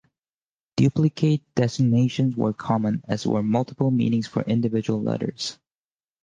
Duplicate designations were common, as were multiple meanings for individual letters.